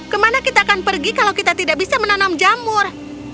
kemana kita akan pergi kalau kita tidak bisa menanam jamur